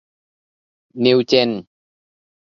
นิวเจน